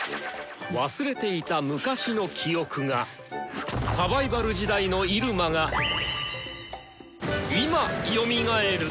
忘れていた昔の記憶がサバイバル時代の入間が今よみがえる！